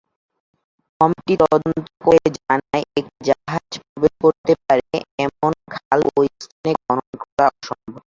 Committee তদন্ত করে জানায় একটি জাহাজ প্রবেশ করতে পারে এমন খাল ওই স্থানে খনন করা অসম্ভব।